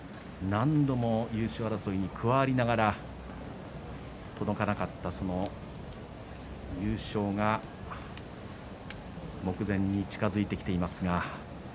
何度も優勝争いに加わりながら届かなかった優勝が目前に近づいてきています。